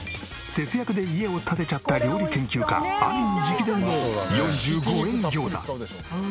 節約で家を建てちゃった料理研究家あみん直伝の４５円ギョウザ。